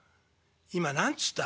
「今何つった？」。